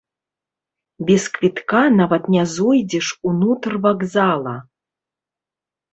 Без квітка нават не зойдзеш унутр вакзала!